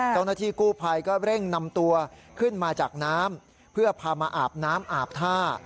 เจ้าหน้าที่กู้ภัยก็เร่งนำตัวขึ้นมาจากน้ำเพื่อพามาอาบน้ำอาบท่า